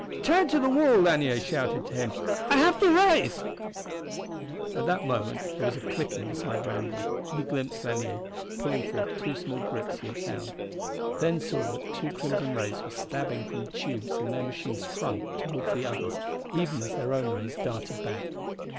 "Turn to the wall!" Lanier shouted to him. "I have the rays "At that moment there was a clicking beside Randall and he glimpsed Lanier pulling forth two small grips he had found, then saw that two crimson rays were stabbing from tubes in their machine's front toward the others even as their own rays darted back.